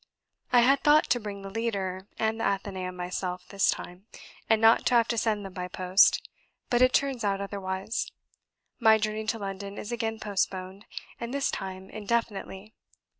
"I had thought to bring the Leader and the Athenaeum myself this time, and not to have to send them by post, but it turns out otherwise; my journey to London is again postponed, and this time indefinitely.